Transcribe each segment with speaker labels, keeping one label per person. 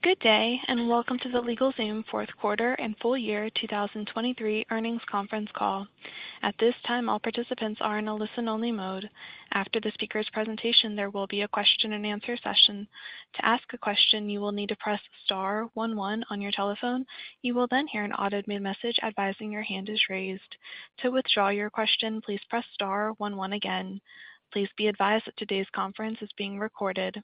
Speaker 1: Good day and welcome to the LegalZoom fourth quarter and full year 2023 earnings conference call. At this time, all participants are in a listen-only mode. After the speaker's presentation, there will be a question-and-answer session. To ask a question, you will need to press star one one on your telephone. You will then hear an audible message advising your hand is raised. To withdraw your question, please press star one one again. Please be advised that today's conference is being recorded.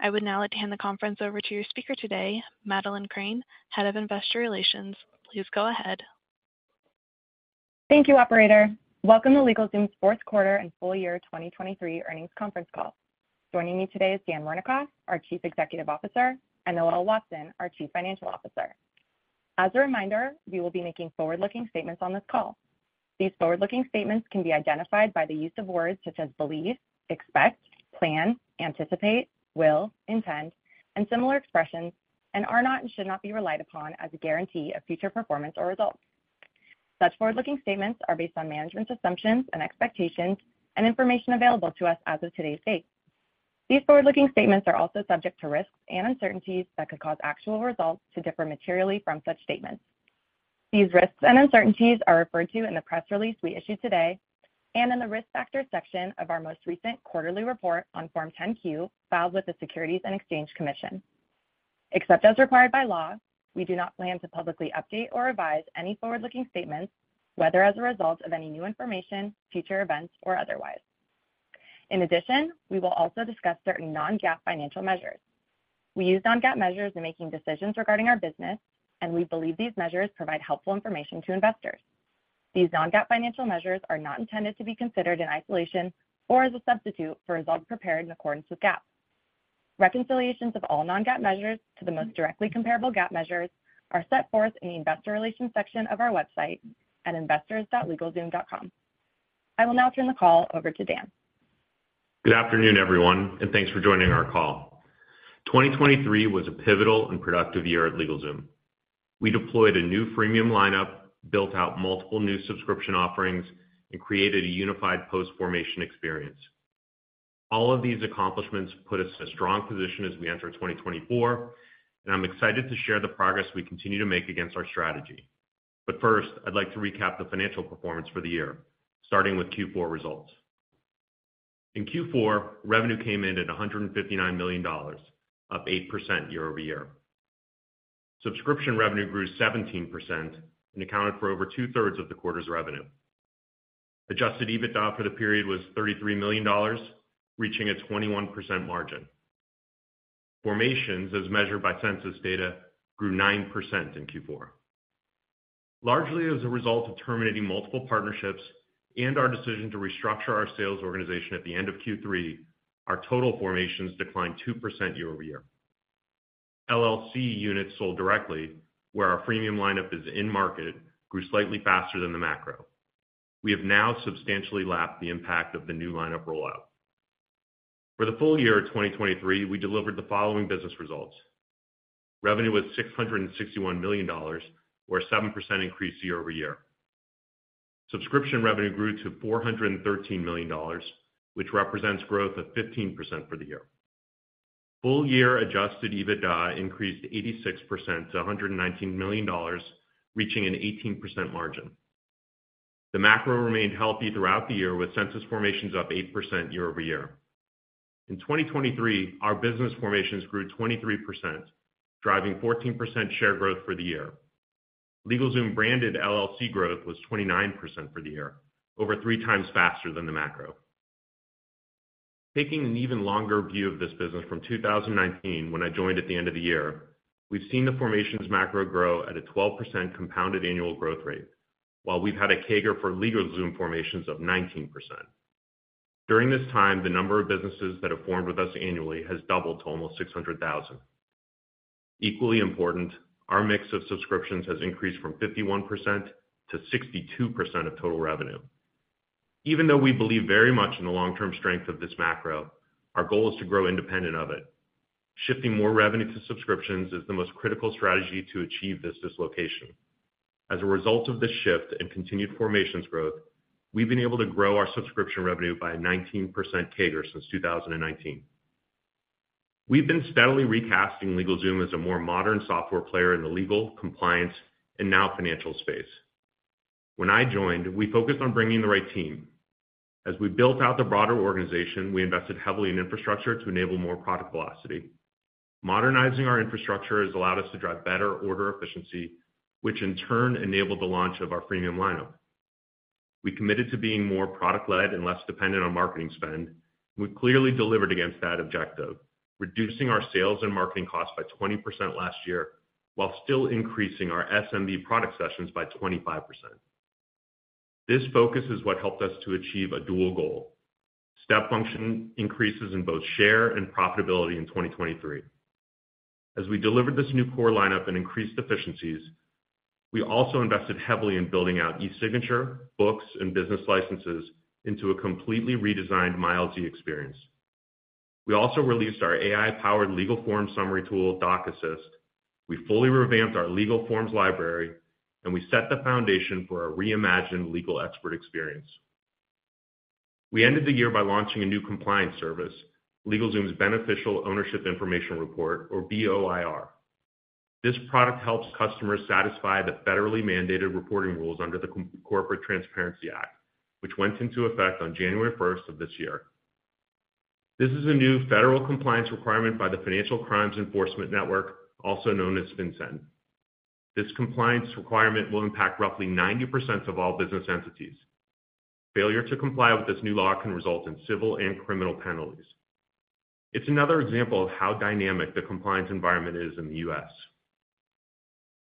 Speaker 1: I would now like to hand the conference over to your speaker today, Madeleine Crane, Head of Investor Relations. Please go ahead.
Speaker 2: Thank you, operator. Welcome to LegalZoom's fourth quarter and full year 2023 earnings conference call. Joining me today is Dan Wernikoff, our Chief Executive Officer, and Noel Watson, our Chief Financial Officer. As a reminder, we will be making forward-looking statements on this call. These forward-looking statements can be identified by the use of words such as believe, expect, plan, anticipate, will, intend, and similar expressions, and are not and should not be relied upon as a guarantee of future performance or results. Such forward-looking statements are based on management's assumptions and expectations and information available to us as of today's date. These forward-looking statements are also subject to risks and uncertainties that could cause actual results to differ materially from such statements. These risks and uncertainties are referred to in the press release we issued today and in the Risk Factors section of our most recent quarterly report on Form 10-Q filed with the Securities and Exchange Commission. Except as required by law, we do not plan to publicly update or revise any forward-looking statements, whether as a result of any new information, future events, or otherwise. In addition, we will also discuss certain non-GAAP financial measures. We use non-GAAP measures in making decisions regarding our business, and we believe these measures provide helpful information to investors. These non-GAAP financial measures are not intended to be considered in isolation or as a substitute for results prepared in accordance with GAAP. Reconciliations of all non-GAAP measures to the most directly comparable GAAP measures are set forth in the Investor Relations section of our website at investors.legalzoom.com. I will now turn the call over to Dan.
Speaker 3: Good afternoon, everyone, and thanks for joining our call. 2023 was a pivotal and productive year at LegalZoom. We deployed a new freemium lineup, built out multiple new subscription offerings, and created a unified post-formation experience. All of these accomplishments put us in a strong position as we enter 2024, and I'm excited to share the progress we continue to make against our strategy. But first, I'd like to recap the financial performance for the year, starting with Q4 results. In Q4, revenue came in at $159 million, up 8% year-over-year. Subscription revenue grew 17% and accounted for over 2/3 of the quarter's revenue. adjusted EBITDA for the period was $33 million, reaching a 21% margin. Formations, as measured by Census data, grew 9% in Q4. Largely as a result of terminating multiple partnerships and our decision to restructure our sales organization at the end of Q3, our total formations declined 2% year-over-year. LLC units sold directly, where our freemium lineup is in market, grew slightly faster than the macro. We have now substantially lapped the impact of the new lineup rollout. For the full year of 2023, we delivered the following business results. Revenue was $661 million, or a 7% increase year-over-year. Subscription revenue grew to $413 million, which represents growth of 15% for the year. Full-year adjusted EBITDA increased 86% to $119 million, reaching an 18% margin. The macro remained healthy throughout the year, with Census formations up 8% year-over-year. In 2023, our business formations grew 23%, driving 14% share growth for the year. LegalZoom branded LLC growth was 29% for the year, over three times faster than the macro. Taking an even longer view of this business from 2019 when I joined at the end of the year, we've seen the formations' macro grow at a 12% compounded annual growth rate, while we've had a CAGR for LegalZoom formations of 19%. During this time, the number of businesses that have formed with us annually has doubled to almost 600,000. Equally important, our mix of subscriptions has increased from 51% to 62% of total revenue. Even though we believe very much in the long-term strength of this macro, our goal is to grow independent of it. Shifting more revenue to subscriptions is the most critical strategy to achieve this dislocation. As a result of this shift and continued formations growth, we've been able to grow our subscription revenue by a 19% CAGR since 2019. We've been steadily recasting LegalZoom as a more modern software player in the legal, compliance, and now financial space. When I joined, we focused on bringing the right team. As we built out the broader organization, we invested heavily in infrastructure to enable more product velocity. Modernizing our infrastructure has allowed us to drive better order efficiency, which in turn enabled the launch of our freemium lineup. We committed to being more product-led and less dependent on marketing spend, and we clearly delivered against that objective, reducing our sales and marketing costs by 20% last year while still increasing our SMB product sessions by 25%. This focus is what helped us to achieve a dual goal: step function increases in both share and profitability in 2023. As we delivered this new core lineup and increased efficiencies, we also invested heavily in building out eSignature, Books, and business licenses into a completely redesigned MyLZ experience. We also released our AI-powered legal form summary tool, Doc Assist. We fully revamped our Legal Forms Library, and we set the foundation for a reimagined legal expert experience. We ended the year by launching a new compliance service, LegalZoom's Beneficial Ownership Information Report, or BOIR. This product helps customers satisfy the federally mandated reporting rules under the Corporate Transparency Act, which went into effect on January 1st of this year. This is a new federal compliance requirement by the Financial Crimes Enforcement Network, also known as FinCEN. This compliance requirement will impact roughly 90% of all business entities. Failure to comply with this new law can result in civil and criminal penalties. It's another example of how dynamic the compliance environment is in the U.S.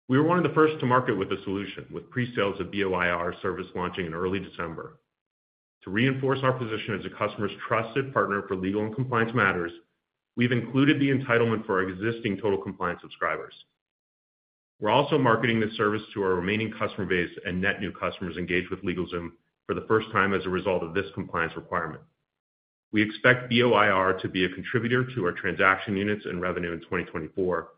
Speaker 3: We were one of the first to market with a solution, with presales of BOIR service launching in early December. To reinforce our position as a customer's trusted partner for legal and compliance matters, we've included the entitlement for existing Total Compliance subscribers. We're also marketing this service to our remaining customer base and net new customers engaged with LegalZoom for the first time as a result of this compliance requirement. We expect BOIR to be a contributor to our transaction units and revenue in 2024,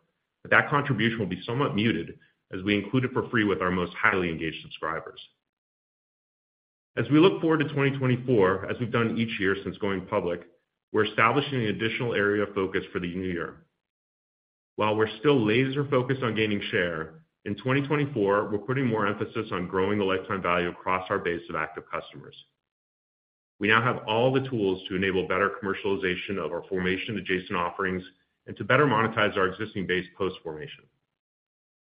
Speaker 3: but that contribution will be somewhat muted as we include it for free with our most highly engaged subscribers. As we look forward to 2024, as we've done each year since going public, we're establishing an additional area of focus for the new year. While we're still laser-focused on gaining share, in 2024, we're putting more emphasis on growing the lifetime value across our base of active customers. We now have all the tools to enable better commercialization of our formation-adjacent offerings and to better monetize our existing base post-formation.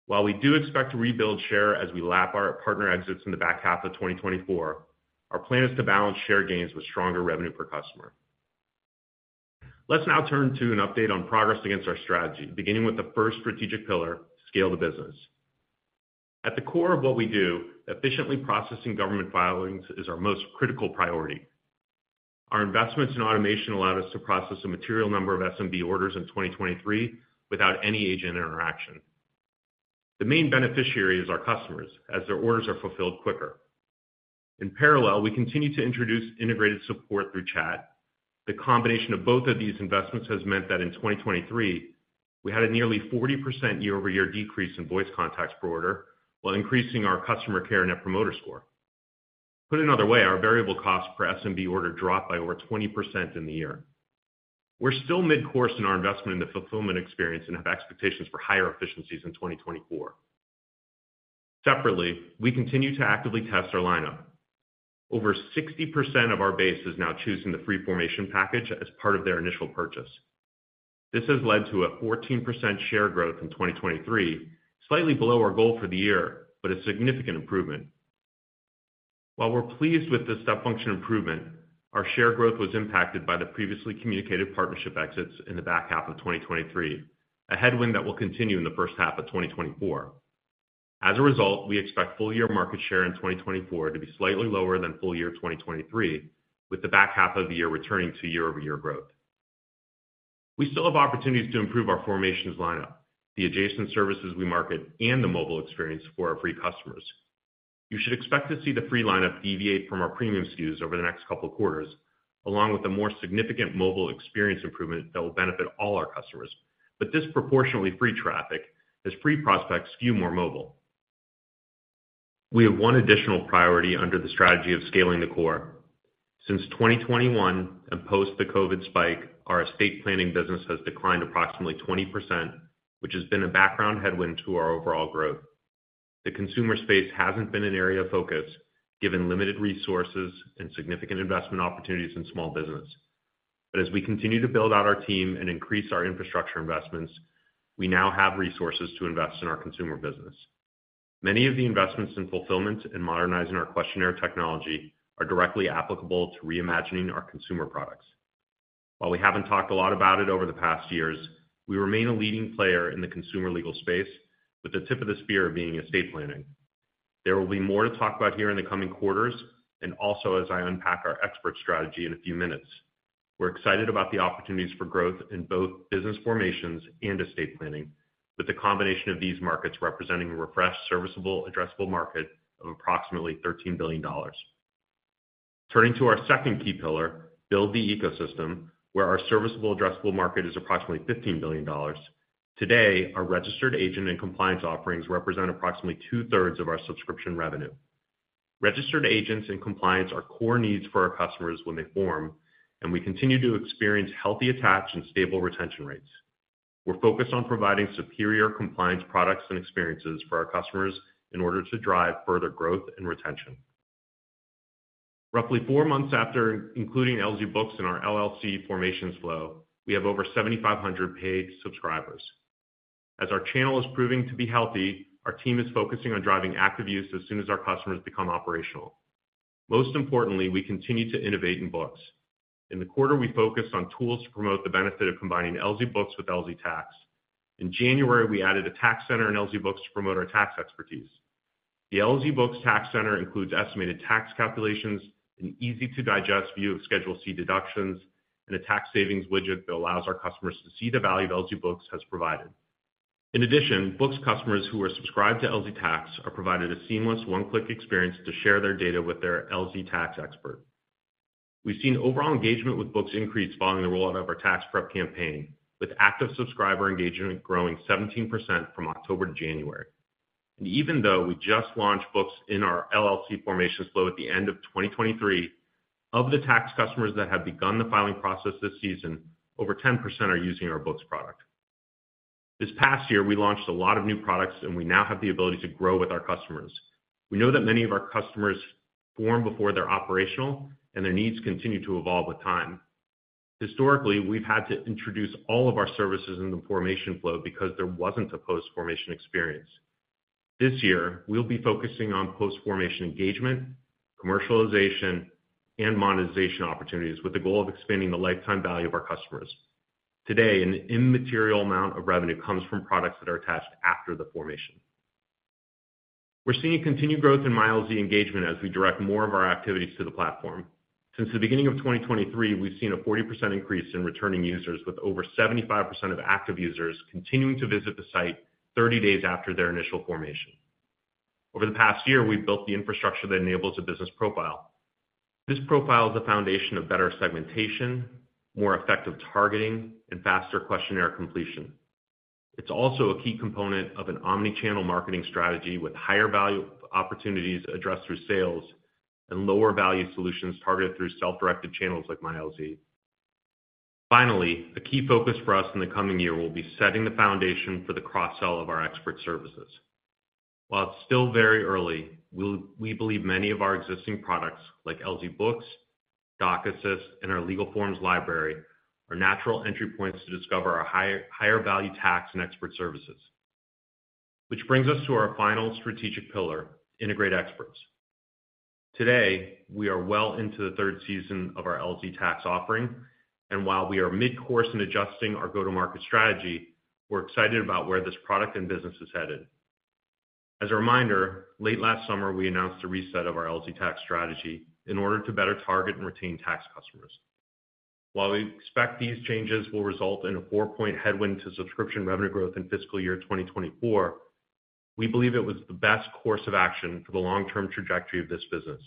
Speaker 3: While we do expect to rebuild share as we lap our partner exits in the back half of 2024, our plan is to balance share gains with stronger revenue per customer. Let's now turn to an update on progress against our strategy, beginning with the first strategic pillar, scale the business. At the core of what we do, efficiently processing government filings is our most critical priority. Our investments in automation allowed us to process a material number of SMB orders in 2023 without any agent interaction. The main beneficiary is our customers, as their orders are fulfilled quicker. In parallel, we continue to introduce integrated support through chat. The combination of both of these investments has meant that in 2023, we had a nearly 40% year-over-year decrease in voice contacts per order while increasing our customer care Net Promoter Score. Put another way, our variable costs per SMB order dropped by over 20% in the year. We're still mid-course in our investment in the fulfillment experience and have expectations for higher efficiencies in 2024. Separately, we continue to actively test our lineup. Over 60% of our base is now choosing the free formation package as part of their initial purchase. This has led to a 14% share growth in 2023, slightly below our goal for the year but a significant improvement. While we're pleased with this step function improvement, our share growth was impacted by the previously communicated partnership exits in the back half of 2023, a headwind that will continue in the first half of 2024. As a result, we expect full-year market share in 2024 to be slightly lower than full-year 2023, with the back half of the year returning to year-over-year growth. We still have opportunities to improve our formations lineup, the adjacent services we market, and the mobile experience for our free customers. You should expect to see the free lineup deviate from our premium SKUs over the next couple of quarters, along with a more significant mobile experience improvement that will benefit all our customers, but disproportionately free traffic as free prospects skew more mobile. We have one additional priority under the strategy of scaling the core. Since 2021 and post the COVID spike, our estate planning business has declined approximately 20%, which has been a background headwind to our overall growth. The consumer space hasn't been an area of focus given limited resources and significant investment opportunities in small business. But as we continue to build out our team and increase our infrastructure investments, we now have resources to invest in our consumer business. Many of the investments in fulfillment and modernizing our questionnaire technology are directly applicable to reimagining our consumer products. While we haven't talked a lot about it over the past years, we remain a leading player in the consumer legal space, with the tip of the spear being estate planning. There will be more to talk about here in the coming quarters and also as I unpack our expert strategy in a few minutes. We're excited about the opportunities for growth in both business formations and estate planning, with the combination of these markets representing a refreshed serviceable addressable market of approximately $13 billion. Turning to our second key pillar, build the ecosystem, where our serviceable addressable market is approximately $15 billion. Today, our registered agent and compliance offerings represent approximately 2/3 of our subscription revenue. Registered agents and compliance are core needs for our customers when they form, and we continue to experience healthy attach and stable retention rates. We're focused on providing superior compliance products and experiences for our customers in order to drive further growth and retention. Roughly four months after including LZ Books in our LLC formations flow, we have over 7,500 paid subscribers. As our channel is proving to be healthy, our team is focusing on driving active use as soon as our customers become operational. Most importantly, we continue to innovate in LZ Books. In the quarter, we focused on tools to promote the benefit of combining LZ Books with LZ Tax. In January, we added a Tax Center in LZ Books to promote our tax expertise. The LZ Books Tax Center includes estimated tax calculations, an easy-to-digest view of Schedule C deductions, and a tax savings widget that allows our customers to see the value LZ Books has provided. In addition, LZ Books customers who are subscribed to LZ Tax are provided a seamless one-click experience to share their data with their LZ Tax expert. We've seen overall engagement with LZ Books increase following the rollout of our tax prep campaign, with active subscriber engagement growing 17% from October to January. Even though we just launched Books in our LLC formations flow at the end of 2023, of the Tax customers that have begun the filing process this season, over 10% are using our Books product. This past year, we launched a lot of new products, and we now have the ability to grow with our customers. We know that many of our customers form before they're operational, and their needs continue to evolve with time. Historically, we've had to introduce all of our services in the formation flow because there wasn't a post-formation experience. This year, we'll be focusing on post-formation engagement, commercialization, and monetization opportunities with the goal of expanding the lifetime value of our customers. Today, an immaterial amount of revenue comes from products that are attached after the formation. We're seeing continued growth in MyLZ engagement as we direct more of our activities to the platform. Since the beginning of 2023, we've seen a 40% increase in returning users, with over 75% of active users continuing to visit the site 30 days after their initial formation. Over the past year, we've built the infrastructure that enables a business profile. This profile is the foundation of better segmentation, more effective targeting, and faster questionnaire completion. It's also a key component of an omnichannel marketing strategy with higher value opportunities addressed through sales and lower value solutions targeted through self-directed channels like MyLZ. Finally, a key focus for us in the coming year will be setting the foundation for the cross-sell of our expert services. While it's still very early, we believe many of our existing products like LZ Books, Doc Assist, and our Legal Forms Library are natural entry points to discover our higher value tax and expert services. Which brings us to our final strategic pillar, integrate experts. Today, we are well into the third season of our LZ Tax offering, and while we are mid-course in adjusting our go-to-market strategy, we're excited about where this product and business is headed. As a reminder, late last summer, we announced a reset of our LZ Tax strategy in order to better target and retain Tax customers. While we expect these changes will result in a four-point headwind to subscription revenue growth in fiscal year 2024, we believe it was the best course of action for the long-term trajectory of this business.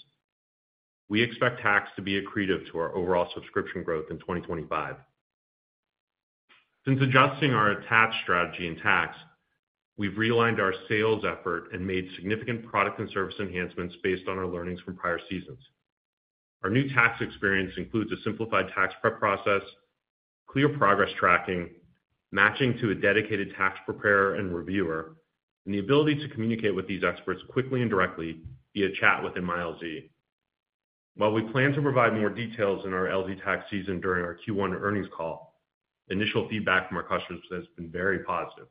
Speaker 3: We expect Tax to be accretive to our overall subscription growth in 2025. Since adjusting our attached strategy in Tax, we've realigned our sales effort and made significant product and service enhancements based on our learnings from prior seasons. Our new tax experience includes a simplified tax prep process, clear progress tracking, matching to a dedicated tax preparer and reviewer, and the ability to communicate with these experts quickly and directly via chat within MyLZ. While we plan to provide more details in our LZ Tax season during our Q1 earnings call, initial feedback from our customers has been very positive.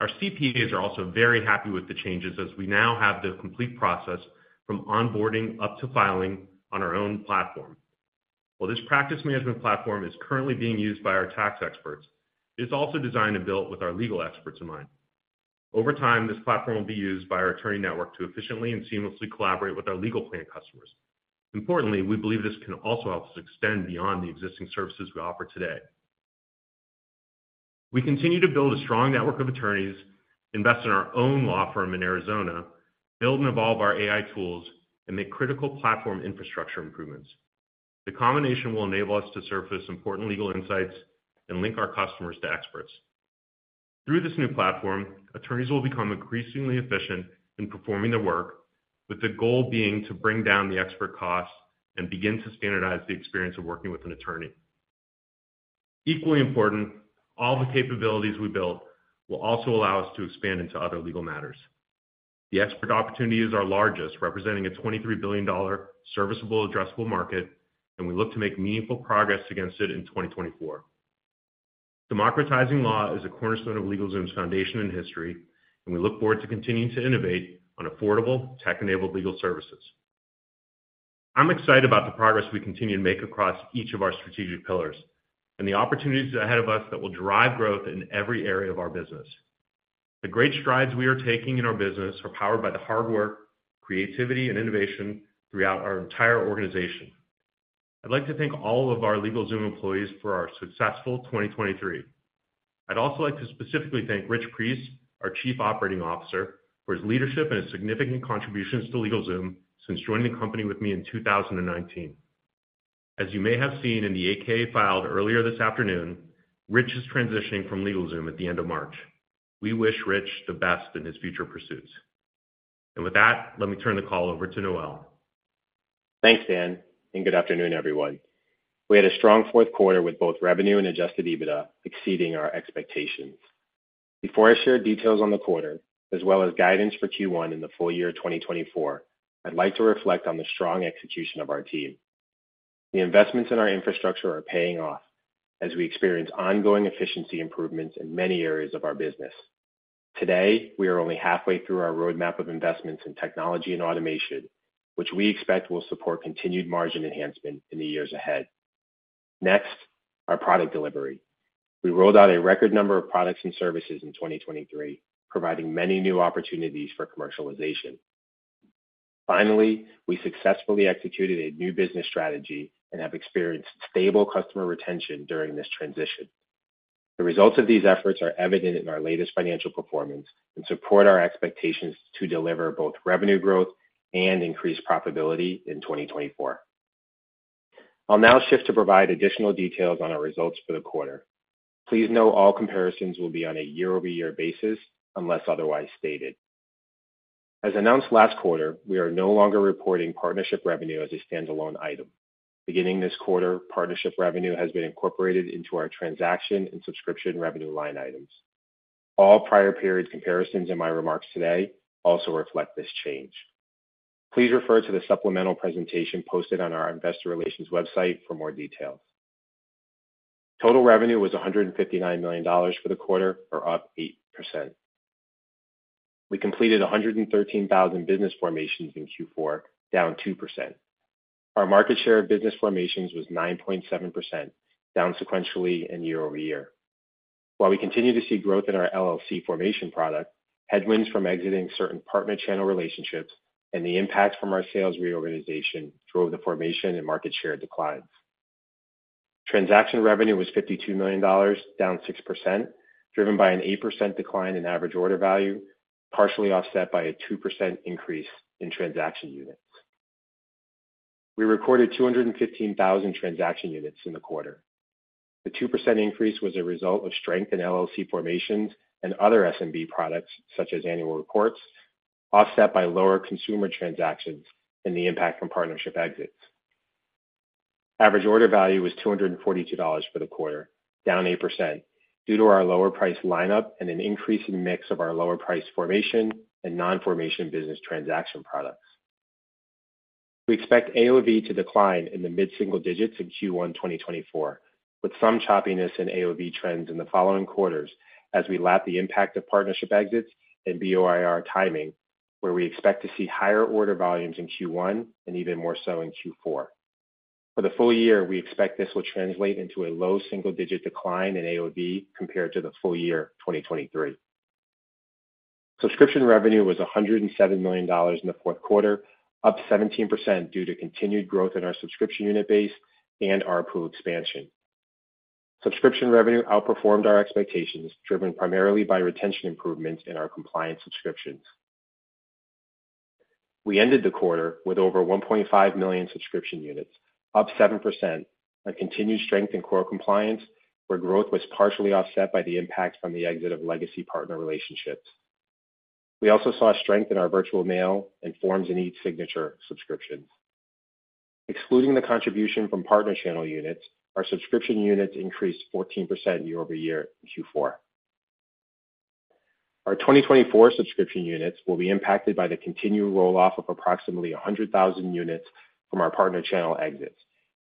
Speaker 3: Our CPAs are also very happy with the changes as we now have the complete process from onboarding up to filing on our own platform. While this practice management platform is currently being used by our tax experts, it is also designed and built with our legal experts in mind. Over time, this platform will be used by our attorney network to efficiently and seamlessly collaborate with our legal plan customers. Importantly, we believe this can also help us extend beyond the existing services we offer today. We continue to build a strong network of attorneys, invest in our own law firm in Arizona, build and evolve our AI tools, and make critical platform infrastructure improvements. The combination will enable us to surface important legal insights and link our customers to experts. Through this new platform, attorneys will become increasingly efficient in performing their work, with the goal being to bring down the expert costs and begin to standardize the experience of working with an attorney. Equally important, all the capabilities we built will also allow us to expand into other legal matters. The expert opportunity is our largest, representing a $23 billion serviceable addressable market, and we look to make meaningful progress against it in 2024. Democratizing law is a cornerstone of LegalZoom's foundation in history, and we look forward to continuing to innovate on affordable, tech-enabled legal services. I'm excited about the progress we continue to make across each of our strategic pillars and the opportunities ahead of us that will drive growth in every area of our business. The great strides we are taking in our business are powered by the hard work, creativity, and innovation throughout our entire organization. I'd like to thank all of our LegalZoom employees for our successful 2023. I'd also like to specifically thank Rich Preece, our Chief Operating Officer, for his leadership and his significant contributions to LegalZoom since joining the company with me in 2019. As you may have seen in the 8-K filed earlier this afternoon, Rich is transitioning from LegalZoom at the end of March. We wish Rich the best in his future pursuits. With that, let me turn the call over to Noel.
Speaker 4: Thanks, Dan, and good afternoon, everyone. We had a strong fourth quarter with both revenue and adjusted EBITDA exceeding our expectations. Before I share details on the quarter, as well as guidance for Q1 in the full year 2024, I'd like to reflect on the strong execution of our team. The investments in our infrastructure are paying off as we experience ongoing efficiency improvements in many areas of our business. Today, we are only halfway through our roadmap of investments in technology and automation, which we expect will support continued margin enhancement in the years ahead. Next, our product delivery. We rolled out a record number of products and services in 2023, providing many new opportunities for commercialization. Finally, we successfully executed a new business strategy and have experienced stable customer retention during this transition. The results of these efforts are evident in our latest financial performance and support our expectations to deliver both revenue growth and increased profitability in 2024. I'll now shift to provide additional details on our results for the quarter. Please know all comparisons will be on a year-over-year basis unless otherwise stated. As announced last quarter, we are no longer reporting partnership revenue as a standalone item. Beginning this quarter, partnership revenue has been incorporated into our transaction and subscription revenue line items. All prior period comparisons in my remarks today also reflect this change. Please refer to the supplemental presentation posted on our investor relations website for more details. Total revenue was $159 million for the quarter, or up 8%. We completed 113,000 business formations in Q4, down 2%. Our market share of business formations was 9.7%, down sequentially and year-over-year. While we continue to see growth in our LLC formation product, headwinds from exiting certain partner channel relationships and the impact from our sales reorganization drove the formation and market share declines. Transaction revenue was $52 million, down 6%, driven by an 8% decline in average order value, partially offset by a 2% increase in transaction units. We recorded 215,000 transaction units in the quarter. The 2% increase was a result of strength in LLC formations and other SMB products such as annual reports, offset by lower consumer transactions and the impact from partnership exits. Average order value was $242 for the quarter, down 8%, due to our lower price lineup and an increasing mix of our lower price formation and non-formation business transaction products. We expect AOV to decline in the mid-single digits in Q1 2024, with some choppiness in AOV trends in the following quarters as we lap the impact of partnership exits and BOIR timing, where we expect to see higher order volumes in Q1 and even more so in Q4. For the full year, we expect this will translate into a low single-digit decline in AOV compared to the full year 2023. Subscription revenue was $107 million in the fourth quarter, up 17% due to continued growth in our subscription unit base and ARPU expansion. Subscription revenue outperformed our expectations, driven primarily by retention improvements in our compliance subscriptions. We ended the quarter with over 1.5 million subscription units, up 7%, and continued strength in core compliance, where growth was partially offset by the impact from the exit of legacy partner relationships. We also saw strength in our Virtual Mail and Forms and eSignature subscriptions. Excluding the contribution from partner channel units, our subscription units increased 14% year-over-year in Q4. Our 2024 subscription units will be impacted by the continued rolloff of approximately 100,000 units from our partner channel exits,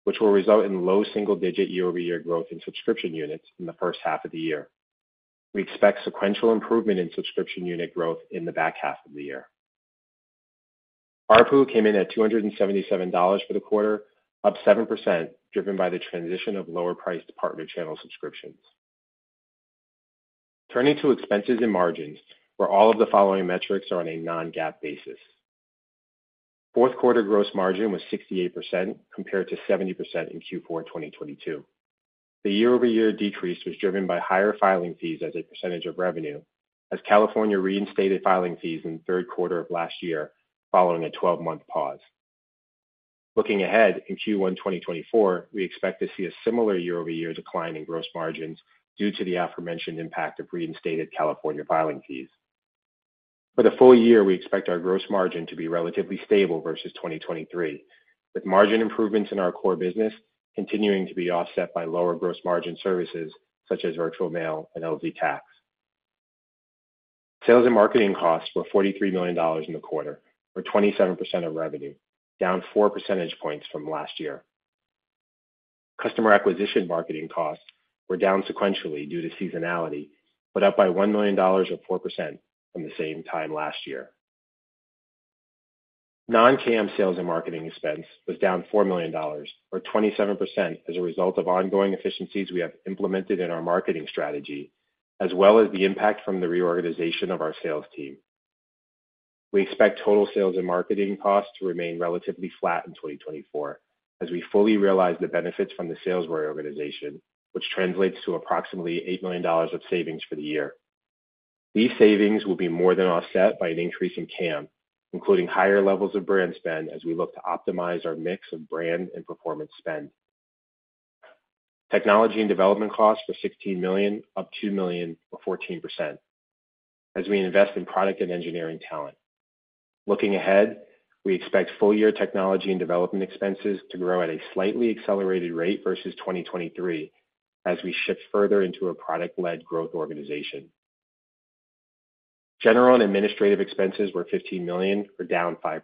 Speaker 4: which will result in low single-digit year-over-year growth in subscription units in the first half of the year. We expect sequential improvement in subscription unit growth in the back half of the year. ARPU came in at $277 for the quarter, up 7%, driven by the transition of lower-priced partner channel subscriptions. Turning to expenses and margins, where all of the following metrics are on a non-GAAP basis. Fourth quarter gross margin was 68% compared to 70% in Q4 2022. The year-over-year decrease was driven by higher filing fees as a percentage of revenue, as California reinstated filing fees in the third quarter of last year following a 12-month pause. Looking ahead in Q1 2024, we expect to see a similar year-over-year decline in gross margins due to the aforementioned impact of reinstated California filing fees. For the full year, we expect our gross margin to be relatively stable versus 2023, with margin improvements in our core business continuing to be offset by lower gross margin services such as Virtual Mail and LZ Tax. Sales and marketing costs were $43 million in the quarter, or 27% of revenue, down 4 percentage points from last year. Customer acquisition marketing costs were down sequentially due to seasonality, but up by $1 million or 4% from the same time last year. Non-CAM sales and marketing expense was down $4 million, or 27%, as a result of ongoing efficiencies we have implemented in our marketing strategy, as well as the impact from the reorganization of our sales team. We expect total sales and marketing costs to remain relatively flat in 2024, as we fully realize the benefits from the sales reorganization, which translates to approximately $8 million of savings for the year. These savings will be more than offset by an increase in CAM, including higher levels of brand spend as we look to optimize our mix of brand and performance spend. Technology and development costs were $16 million, up $2 million or 14%, as we invest in product and engineering talent. Looking ahead, we expect full-year technology and development expenses to grow at a slightly accelerated rate versus 2023, as we shift further into a product-led growth organization. General and administrative expenses were $15 million, or down 5%.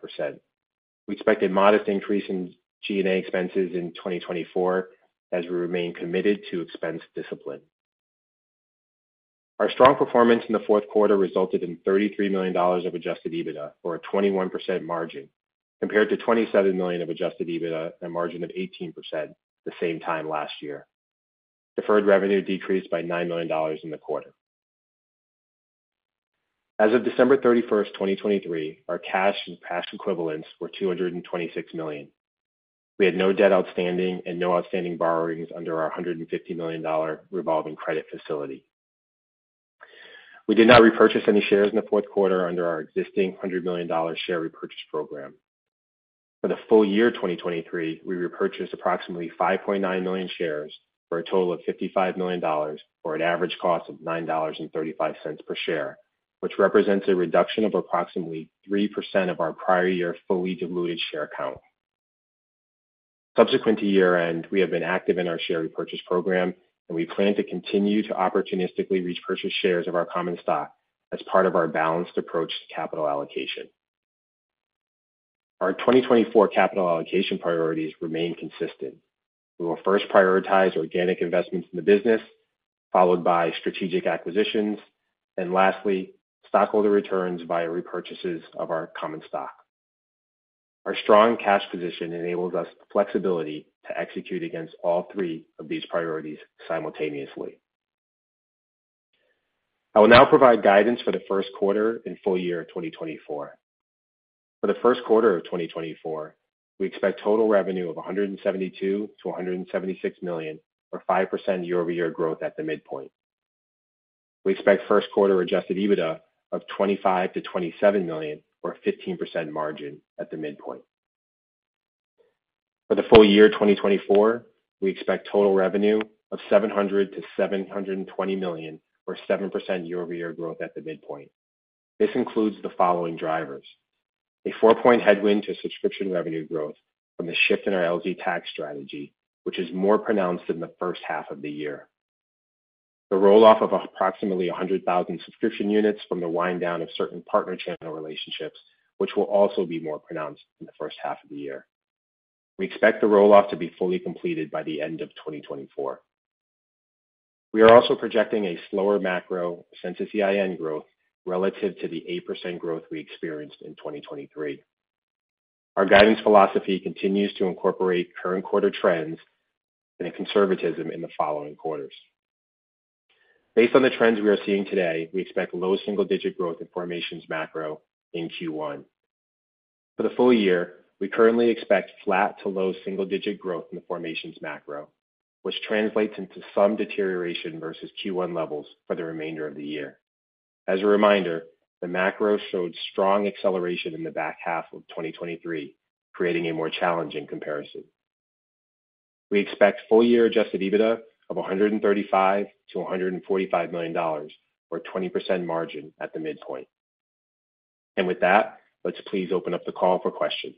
Speaker 4: We expect a modest increase in G&A expenses in 2024 as we remain committed to expense discipline. Our strong performance in the fourth quarter resulted in $33 million of adjusted EBITDA, or a 21% margin, compared to $27 million of adjusted EBITDA and a margin of 18% the same time last year. Deferred revenue decreased by $9 million in the quarter. As of December 31st, 2023, our cash and cash equivalents were $226 million. We had no debt outstanding and no outstanding borrowings under our $150 million revolving credit facility. We did not repurchase any shares in the fourth quarter under our existing $100 million share repurchase program. For the full year 2023, we repurchased approximately 5.9 million shares for a total of $55 million, or an average cost of $9.35 per share, which represents a reduction of approximately 3% of our prior year fully diluted share count. Subsequent to year-end, we have been active in our share repurchase program, and we plan to continue to opportunistically repurchase shares of our common stock as part of our balanced approach to capital allocation. Our 2024 capital allocation priorities remain consistent. We will first prioritize organic investments in the business, followed by strategic acquisitions, and lastly, stockholder returns via repurchases of our common stock. Our strong cash position enables us the flexibility to execute against all three of these priorities simultaneously. I will now provide guidance for the first quarter and full year of 2024. For the first quarter of 2024, we expect total revenue of $172 million-$176 million, or 5% year-over-year growth at the midpoint. We expect first quarter adjusted EBITDA of $25 million-$27 million, or a 15% margin at the midpoint. For the full year 2024, we expect total revenue of $700 million-$720 million, or 7% year-over-year growth at the midpoint. This includes the following drivers: a four-point headwind to subscription revenue growth from the shift in our LZ Tax strategy, which is more pronounced in the first half of the year. The rolloff of approximately 100,000 subscription units from the wind-down of certain partner channel relationships, which will also be more pronounced in the first half of the year. We expect the rolloff to be fully completed by the end of 2024. We are also projecting a slower macro Census EIN growth relative to the 8% growth we experienced in 2023. Our guidance philosophy continues to incorporate current quarter trends and conservatism in the following quarters. Based on the trends we are seeing today, we expect low single-digit growth in formations macro in Q1. For the full year, we currently expect flat to low single-digit growth in the formations macro, which translates into some deterioration versus Q1 levels for the remainder of the year. As a reminder, the macro showed strong acceleration in the back half of 2023, creating a more challenging comparison. We expect full-year adjusted EBITDA of $135 million-$145 million, or a 20% margin at the midpoint. With that, let's please open up the call for questions.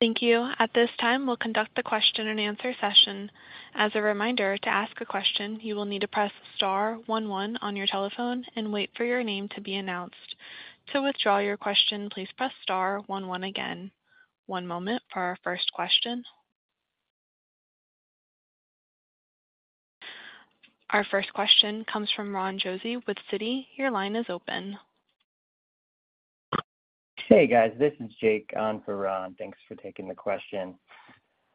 Speaker 1: Thank you. At this time, we'll conduct the question-and-answer session. As a reminder, to ask a question, you will need to press star one one on your telephone and wait for your name to be announced. To withdraw your question, please press star one one again. One moment for our first question. Our first question comes from Ron Josey with Citi. Your line is open.
Speaker 5: Hey, guys. This is Jake on for Ron. Thanks for taking the question.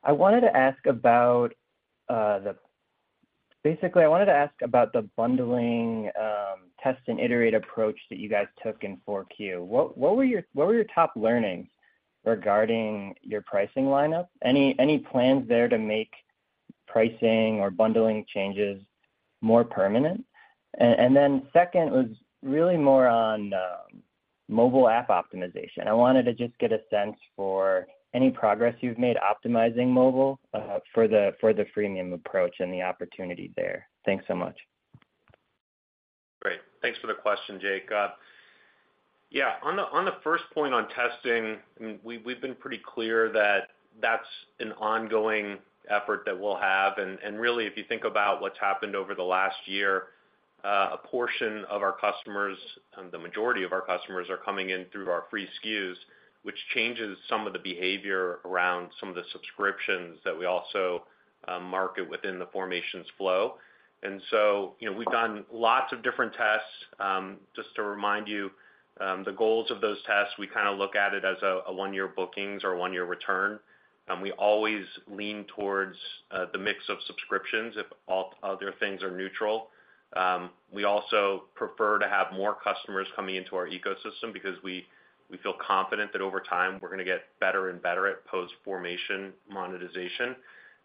Speaker 5: I wanted to ask about the bundling, test-and-iterate approach that you guys took in 4Q. What were your top learnings regarding your pricing lineup? Any plans there to make pricing or bundling changes more permanent? And then second was really more on mobile app optimization. I wanted to just get a sense for any progress you've made optimizing mobile for the freemium approach and the opportunity there. Thanks so much.
Speaker 3: Great. Thanks for the question, Jake. Yeah, on the first point on testing, we've been pretty clear that that's an ongoing effort that we'll have. And really, if you think about what's happened over the last year, a portion of our customers and the majority of our customers are coming in through our free SKUs, which changes some of the behavior around some of the subscriptions that we also market within the formations flow. And so we've done lots of different tests. Just to remind you, the goals of those tests, we kind of look at it as a one-year bookings or a one-year return. We always lean towards the mix of subscriptions if all other things are neutral. We also prefer to have more customers coming into our ecosystem because we feel confident that over time, we're going to get better and better at post-formation monetization.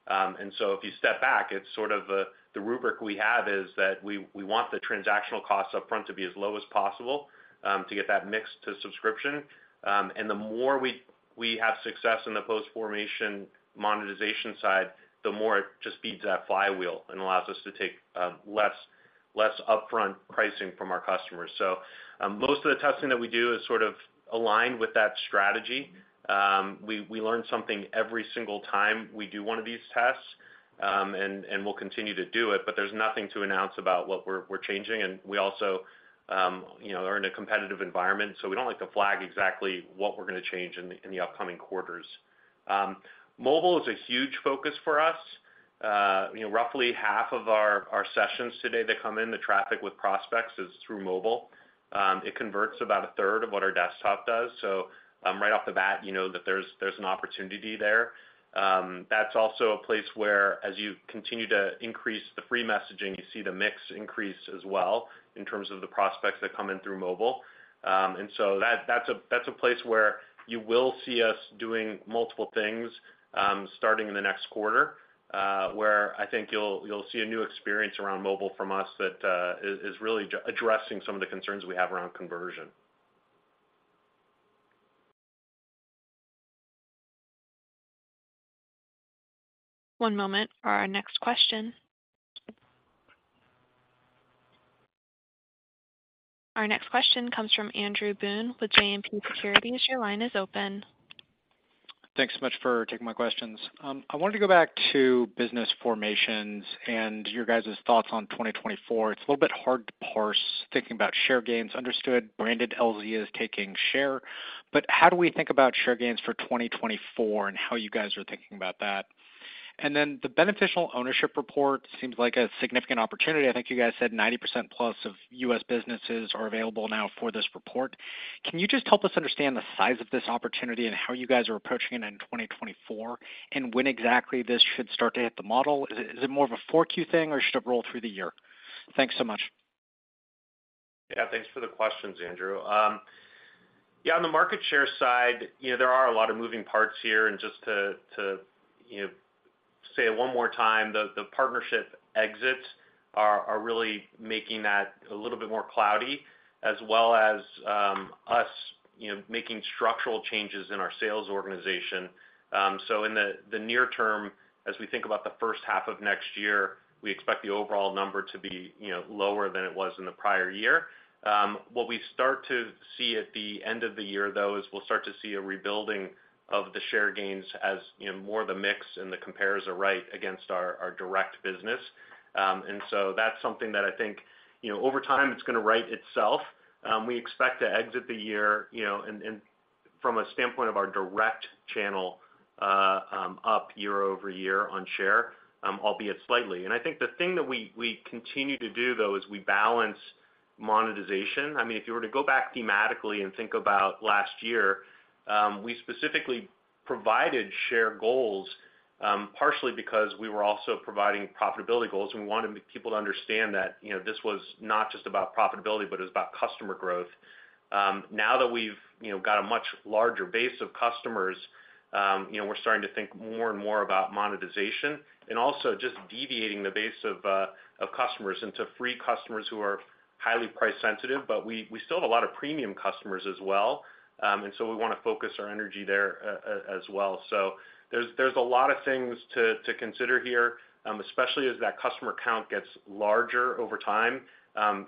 Speaker 3: If you step back, it's sort of the rubric we have is that we want the transactional costs upfront to be as low as possible to get that mixed to subscription. The more we have success in the post-formation monetization side, the more it just feeds that flywheel and allows us to take less upfront pricing from our customers. So most of the testing that we do is sort of aligned with that strategy. We learn something every single time we do one of these tests, and we'll continue to do it. But there's nothing to announce about what we're changing. And we also are in a competitive environment, so we don't like to flag exactly what we're going to change in the upcoming quarters. Mobile is a huge focus for us. Roughly half of our sessions today that come in, the traffic with prospects, is through mobile. It converts about 1/3 of what our desktop does. So right off the bat, you know that there's an opportunity there. That's also a place where, as you continue to increase the free messaging, you see the mix increase as well in terms of the prospects that come in through mobile. And so that's a place where you will see us doing multiple things starting in the next quarter, where I think you'll see a new experience around mobile from us that is really addressing some of the concerns we have around conversion.
Speaker 1: One moment for our next question. Our next question comes from Andrew Boone with JMP Securities. Your line is open.
Speaker 6: Thanks so much for taking my questions. I wanted to go back to business formations and your guys' thoughts on 2024. It's a little bit hard to parse thinking about share gains. Understood, branded LZ is taking share. But how do we think about share gains for 2024 and how you guys are thinking about that? And then the Beneficial Ownership Report seems like a significant opportunity. I think you guys said 90% plus of U.S. businesses are available now for this report. Can you just help us understand the size of this opportunity and how you guys are approaching it in 2024 and when exactly this should start to hit the model? Is it more of a 4Q thing, or should it roll through the year? Thanks so much.
Speaker 3: Yeah, thanks for the questions, Andrew. Yeah, on the market share side, there are a lot of moving parts here. Just to say it one more time, the partnership exits are really making that a little bit more cloudy, as well as us making structural changes in our sales organization. In the near term, as we think about the first half of next year, we expect the overall number to be lower than it was in the prior year. What we start to see at the end of the year, though, is we'll start to see a rebuilding of the share gains as more of the mix and the compares are right against our direct business. So that's something that I think, over time, it's going to right itself. We expect to exit the year from a standpoint of our direct channel up year-over-year on share, albeit slightly. I think the thing that we continue to do, though, is we balance monetization. I mean, if you were to go back thematically and think about last year, we specifically provided share goals partially because we were also providing profitability goals. We wanted people to understand that this was not just about profitability, but it was about customer growth. Now that we've got a much larger base of customers, we're starting to think more and more about monetization and also just deviating the base of customers into free customers who are highly price-sensitive. But we still have a lot of premium customers as well. So we want to focus our energy there as well. So there's a lot of things to consider here, especially as that customer count gets larger over time.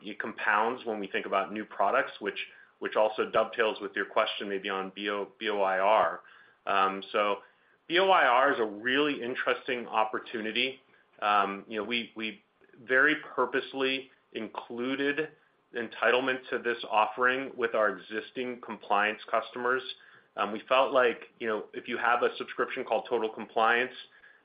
Speaker 3: It compounds when we think about new products, which also dovetails with your question maybe on BOIR. So BOIR is a really interesting opportunity. We very purposely included entitlement to this offering with our existing compliance customers. We felt like if you have a subscription called Total Compliance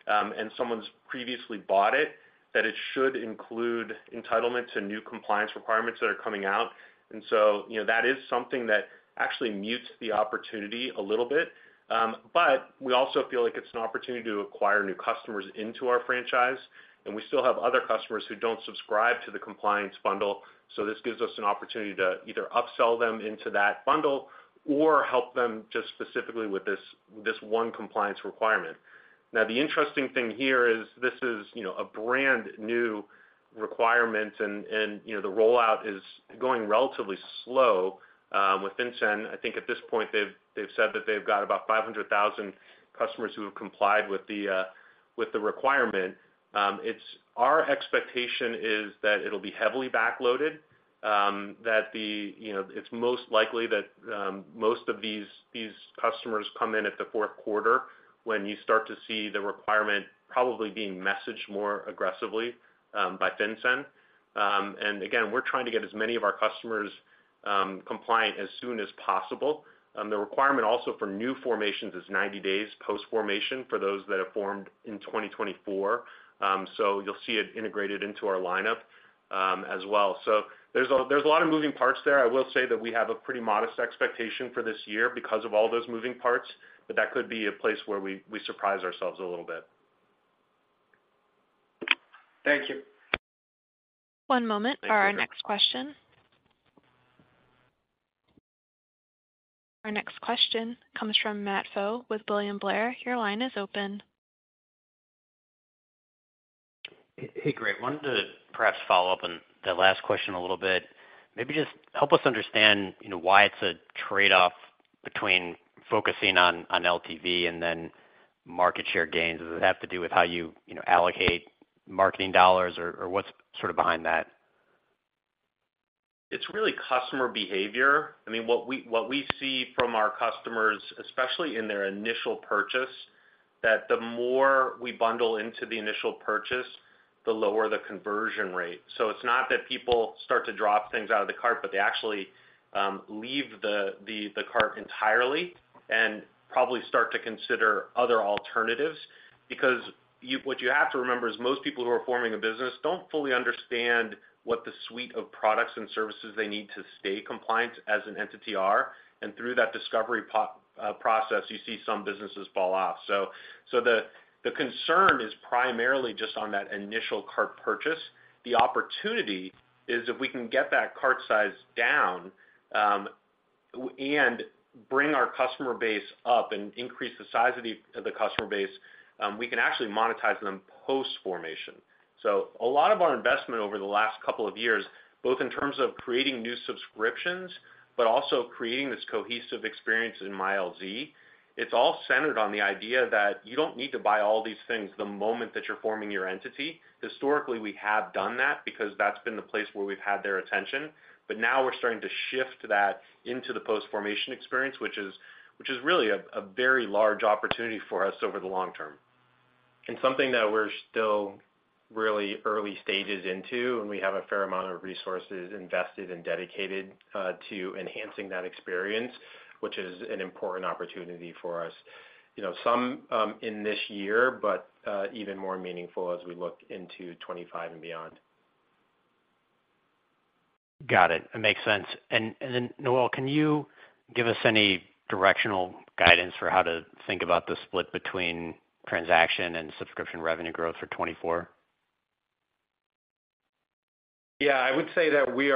Speaker 3: and someone's previously bought it, that it should include entitlement to new compliance requirements that are coming out. And so that is something that actually mutes the opportunity a little bit. But we also feel like it's an opportunity to acquire new customers into our franchise. And we still have other customers who don't subscribe to the compliance bundle. So this gives us an opportunity to either upsell them into that bundle or help them just specifically with this one compliance requirement. Now, the interesting thing here is this is a brand new requirement, and the rollout is going relatively slow with intent. I think at this point, they've said that they've got about 500,000 customers who have complied with the requirement. Our expectation is that it'll be heavily backloaded, that it's most likely that most of these customers come in at the fourth quarter when you start to see the requirement probably being messaged more aggressively by FinCEN. And again, we're trying to get as many of our customers compliant as soon as possible. The requirement also for new formations is 90 days post-formation for those that have formed in 2024. So you'll see it integrated into our lineup as well. So there's a lot of moving parts there. I will say that we have a pretty modest expectation for this year because of all those moving parts. But that could be a place where we surprise ourselves a little bit.
Speaker 6: Thank you.
Speaker 1: One moment for our next question. Our next question comes from Matt Pfau with William Blair. Your line is open.
Speaker 7: Hey, great. Wanted to perhaps follow up on that last question a little bit. Maybe just help us understand why it's a trade-off between focusing on LTV and then market share gains. Does it have to do with how you allocate marketing dollars, or what's sort of behind that?
Speaker 3: It's really customer behavior. I mean, what we see from our customers, especially in their initial purchase, that the more we bundle into the initial purchase, the lower the conversion rate. So it's not that people start to drop things out of the cart, but they actually leave the cart entirely and probably start to consider other alternatives. Because what you have to remember is most people who are forming a business don't fully understand what the suite of products and services they need to stay compliant as an entity are. And through that discovery process, you see some businesses fall off. So the concern is primarily just on that initial cart purchase. The opportunity is if we can get that cart size down and bring our customer base up and increase the size of the customer base, we can actually monetize them post-formation. So a lot of our investment over the last couple of years, both in terms of creating new subscriptions but also creating this cohesive experience in MyLZ, it's all centered on the idea that you don't need to buy all these things the moment that you're forming your entity. Historically, we have done that because that's been the place where we've had their attention. But now we're starting to shift that into the post-formation experience, which is really a very large opportunity for us over the long term.
Speaker 4: Something that we're still really early stages into, and we have a fair amount of resources invested and dedicated to enhancing that experience, which is an important opportunity for us. Some in this year, but even more meaningful as we look into 2025 and beyond.
Speaker 7: Got it. It makes sense. And then, Noel, can you give us any directional guidance for how to think about the split between transaction and subscription revenue growth for 2024?
Speaker 4: Yeah, I would say that we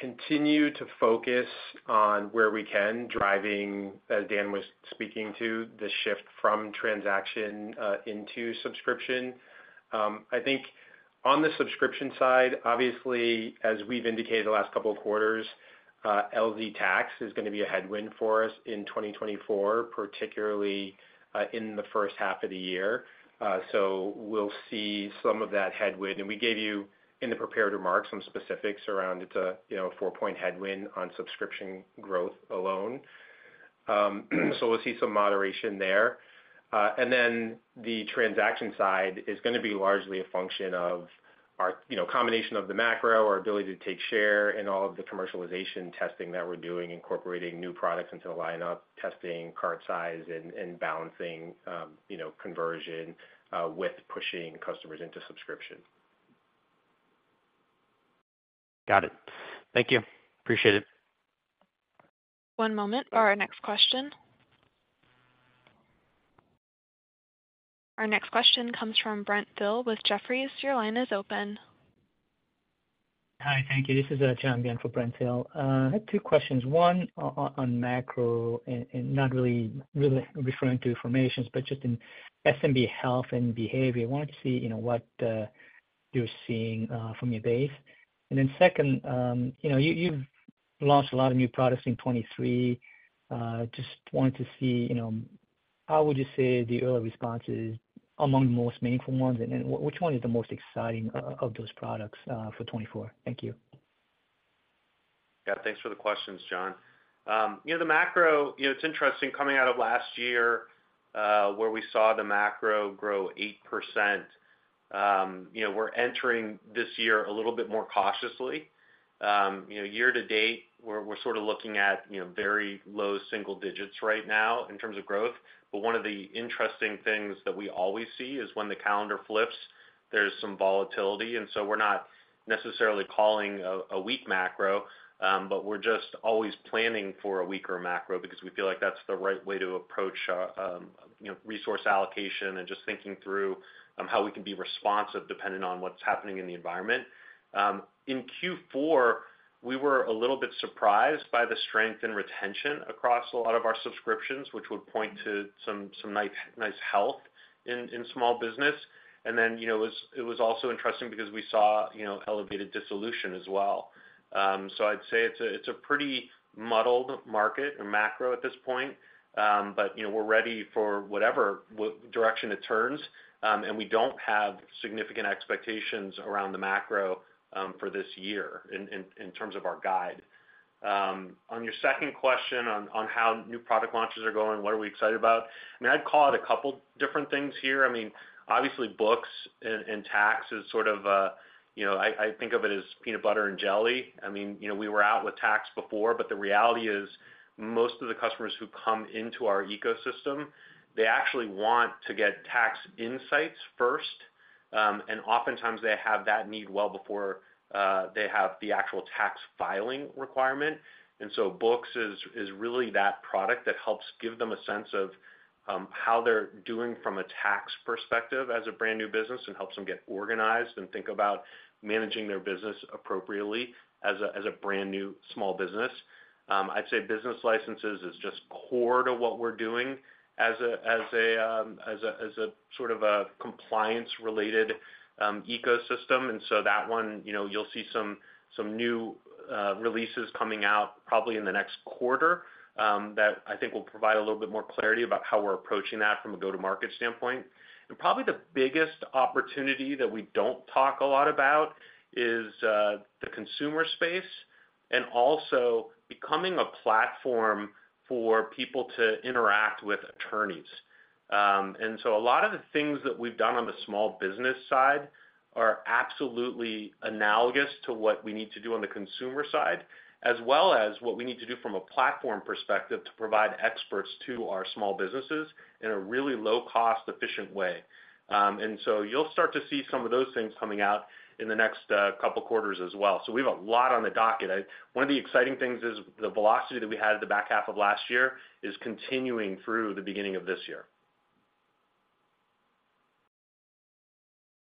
Speaker 4: continue to focus on where we can, driving, as Dan was speaking to, the shift from transaction into subscription. I think on the subscription side, obviously, as we've indicated the last couple of quarters, LZ Tax is going to be a headwind for us in 2024, particularly in the first half of the year. So we'll see some of that headwind. And we gave you in the prepared remarks some specifics around it's a four-point headwind on subscription growth alone. So we'll see some moderation there. And then the transaction side is going to be largely a function of our combination of the macro, our ability to take share, and all of the commercialization testing that we're doing, incorporating new products into the lineup, testing cart size, and balancing conversion with pushing customers into subscription.
Speaker 7: Got it. Thank you. Appreciate it.
Speaker 1: One moment for our next question. Our next question comes from Brent Thill with Jefferies. Your line is open.
Speaker 8: Hi, thank you. This is John Byun for Brent Thill. I have two questions. One on macro, not really referring to formations, but just in SMB health and behavior. I wanted to see what you're seeing from your base. And then second, you've launched a lot of new products in 2023. Just wanted to see, how would you say the early response is among the most meaningful ones? And which one is the most exciting of those products for 2024? Thank you.
Speaker 3: Yeah, thanks for the questions, John. The macro, it's interesting. Coming out of last year where we saw the macro grow 8%, we're entering this year a little bit more cautiously. Year to date, we're sort of looking at very low single digits right now in terms of growth. But one of the interesting things that we always see is when the calendar flips, there's some volatility. And so we're not necessarily calling a weak macro, but we're just always planning for a weaker macro because we feel like that's the right way to approach resource allocation and just thinking through how we can be responsive depending on what's happening in the environment. In Q4, we were a little bit surprised by the strength and retention across a lot of our subscriptions, which would point to some nice health in small business. And then it was also interesting because we saw elevated dissolution as well. So I'd say it's a pretty muddled market and macro at this point. But we're ready for whatever direction it turns. And we don't have significant expectations around the macro for this year in terms of our guide. On your second question on how new product launches are going, what are we excited about? I mean, I'd call it a couple different things here. I mean, obviously, Books and Tax is sort of a I think of it as peanut butter and jelly. I mean, we were out with Tax before. But the reality is most of the customers who come into our ecosystem, they actually want to get tax insights first. And oftentimes, they have that need well before they have the actual tax filing requirement. Books is really that product that helps give them a sense of how they're doing from a tax perspective as a brand new business and helps them get organized and think about managing their business appropriately as a brand new small business. I'd say business licenses is just core to what we're doing as a sort of a compliance-related ecosystem. That one, you'll see some new releases coming out probably in the next quarter that I think will provide a little bit more clarity about how we're approaching that from a go-to-market standpoint. Probably the biggest opportunity that we don't talk a lot about is the consumer space and also becoming a platform for people to interact with attorneys. And so a lot of the things that we've done on the small business side are absolutely analogous to what we need to do on the consumer side, as well as what we need to do from a platform perspective to provide experts to our small businesses in a really low-cost, efficient way. And so you'll start to see some of those things coming out in the next couple of quarters as well. So we have a lot on the docket. One of the exciting things is the velocity that we had at the back half of last year is continuing through the beginning of this year.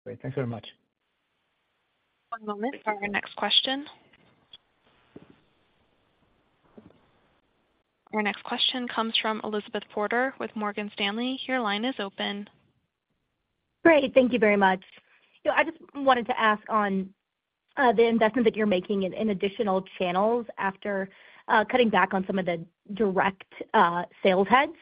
Speaker 8: Great. Thanks very much.
Speaker 1: One moment for our next question. Our next question comes from Elizabeth Porter with Morgan Stanley. Your line is open.
Speaker 9: Great. Thank you very much. I just wanted to ask on the investment that you're making in additional channels after cutting back on some of the direct sales heads.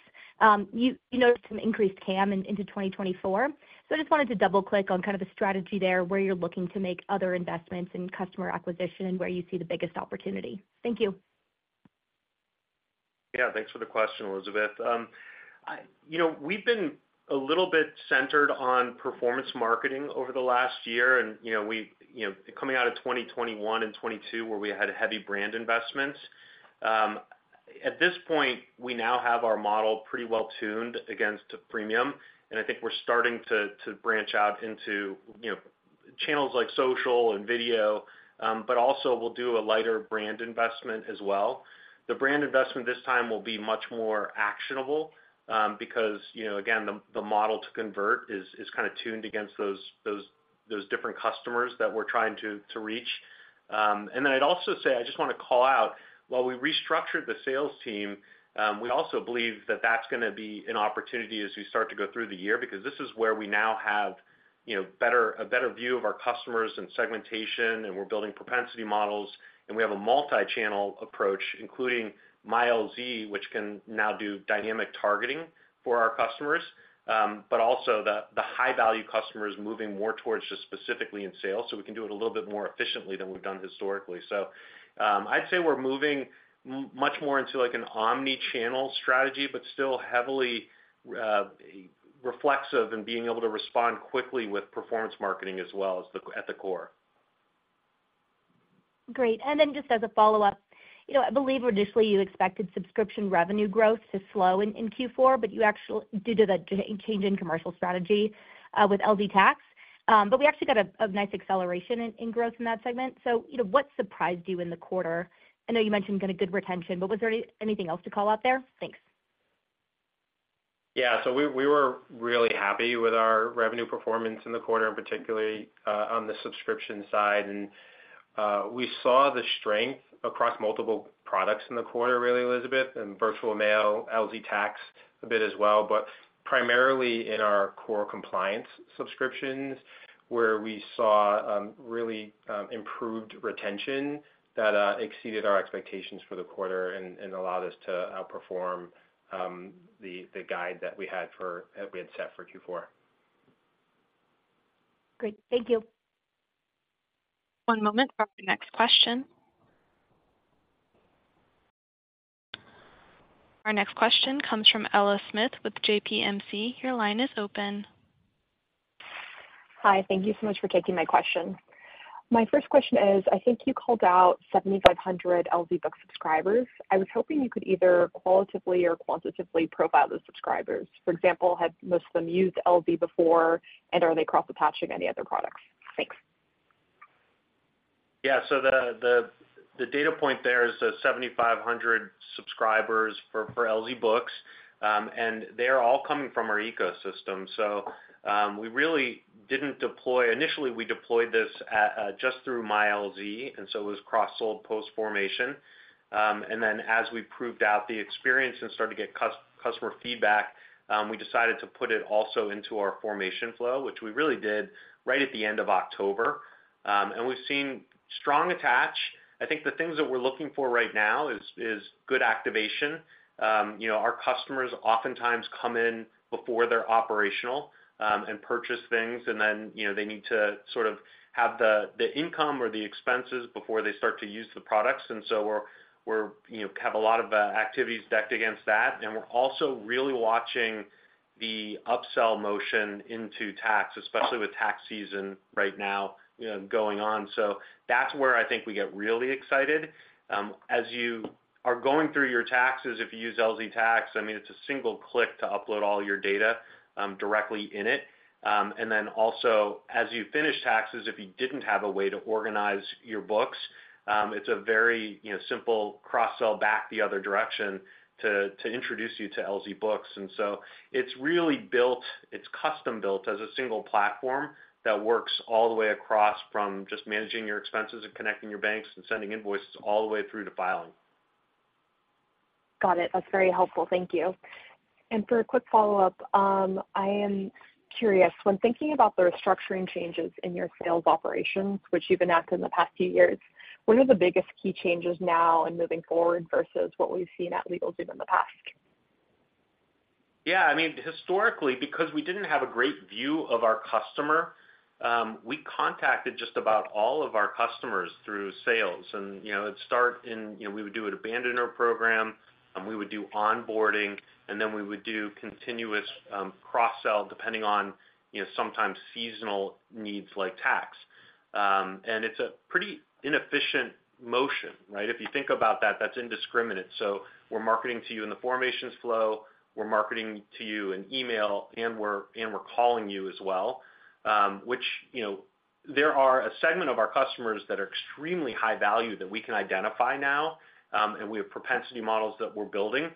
Speaker 9: You noticed some increased CAM into 2024. So I just wanted to double-click on kind of a strategy there where you're looking to make other investments in customer acquisition and where you see the biggest opportunity. Thank you.
Speaker 3: Yeah, thanks for the question, Elizabeth. We've been a little bit centered on performance marketing over the last year. Coming out of 2021 and 2022 where we had heavy brand investments, at this point, we now have our model pretty well-tuned against premium. I think we're starting to branch out into channels like social and video. But also, we'll do a lighter brand investment as well. The brand investment this time will be much more actionable because, again, the model to convert is kind of tuned against those different customers that we're trying to reach. I'd also say I just want to call out, while we restructured the sales team, we also believe that that's going to be an opportunity as we start to go through the year because this is where we now have a better view of our customers and segmentation. We're building propensity models. We have a multi-channel approach, including MyLZ, which can now do dynamic targeting for our customers, but also the high-value customers moving more towards just specifically in sales so we can do it a little bit more efficiently than we've done historically. I'd say we're moving much more into an omnichannel strategy but still heavily reflexive and being able to respond quickly with performance marketing as well at the core.
Speaker 9: Great. And then just as a follow-up, I believe initially, you expected subscription revenue growth to slow in Q4 due to the change in commercial strategy with LZ Tax. But we actually got a nice acceleration in growth in that segment. So what surprised you in the quarter? I know you mentioned good retention. But was there anything else to call out there? Thanks.
Speaker 4: Yeah. So we were really happy with our revenue performance in the quarter, in particular on the subscription side. And we saw the strength across multiple products in the quarter, really, Elizabeth, and Virtual Mail, LZ Tax a bit as well, but primarily in our core compliance subscriptions where we saw really improved retention that exceeded our expectations for the quarter and allowed us to outperform the guide that we had set for Q4.
Speaker 9: Great. Thank you.
Speaker 1: One moment for our next question. Our next question comes from Ella Smith with JPMC. Your line is open.
Speaker 10: Hi. Thank you so much for taking my question. My first question is, I think you called out 7,500 LZ Books subscribers. I was hoping you could either qualitatively or quantitatively profile those subscribers. For example, had most of them used LZ before? And are they cross-attaching any other products? Thanks.
Speaker 3: Yeah. So the data point there is the 7,500 subscribers for LZ Books. And they're all coming from our ecosystem. So we really didn't deploy initially, we deployed this just through MyLZ. And so it was cross-sold post-formation. And then as we proved out the experience and started to get customer feedback, we decided to put it also into our formation flow, which we really did right at the end of October. And we've seen strong attach. I think the things that we're looking for right now is good activation. Our customers oftentimes come in before they're operational and purchase things. And then they need to sort of have the income or the expenses before they start to use the products. And so we have a lot of activities decked against that. And we're also really watching the upsell motion into Tax, especially with tax season right now going on. So that's where I think we get really excited. As you are going through your taxes, if you use LZ Tax, I mean, it's a single click to upload all your data directly in it. And then also, as you finish taxes, if you didn't have a way to organize your books, it's a very simple cross-sell back the other direction to introduce you to LZ Books. And so it's really custom-built as a single platform that works all the way across from just managing your expenses and connecting your banks and sending invoices all the way through to filing.
Speaker 10: Got it. That's very helpful. Thank you. For a quick follow-up, I am curious. When thinking about the restructuring changes in your sales operations, which you've enacted in the past few years, what are the biggest key changes now and moving forward versus what we've seen at LegalZoom in the past?
Speaker 3: Yeah. I mean, historically, because we didn't have a great view of our customer, we contacted just about all of our customers through sales. And it'd start in we would do an abandoner program. We would do onboarding. And then we would do continuous cross-sell depending on sometimes seasonal needs like Tax. And it's a pretty inefficient motion, right? If you think about that, that's indiscriminate. So we're marketing to you in the formations flow. We're marketing to you in email. And we're calling you as well, which there are a segment of our customers that are extremely high value that we can identify now. And we have propensity models that we're building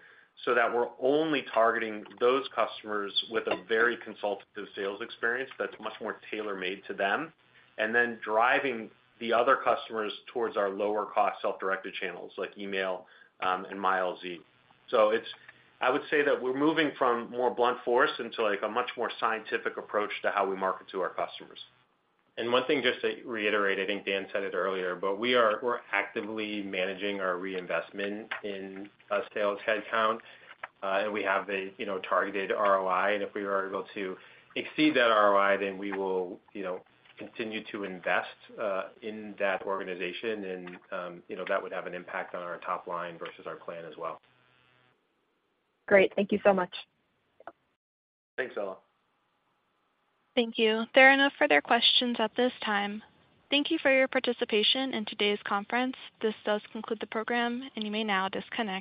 Speaker 3: so that we're only targeting those customers with a very consultative sales experience that's much more tailor-made to them and then driving the other customers towards our lower-cost self-directed channels like email and MyLZ. So I would say that we're moving from more blunt force into a much more scientific approach to how we market to our customers.
Speaker 4: One thing just to reiterate, I think Dan said it earlier, but we're actively managing our reinvestment in sales headcount. We have a targeted ROI. If we are able to exceed that ROI, then we will continue to invest in that organization. That would have an impact on our top line versus our plan as well.
Speaker 10: Great. Thank you so much.
Speaker 3: Thanks, Ella.
Speaker 1: Thank you. There are no further questions at this time. Thank you for your participation in today's conference. This does conclude the program. You may now disconnect.